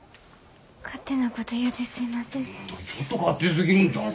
勝手なこと言うてすいません。